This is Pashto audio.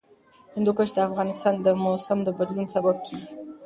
هندوکش د افغانستان د موسم د بدلون سبب کېږي.